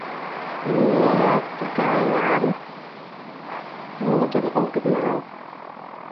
Ме тыгайлан модын огынал.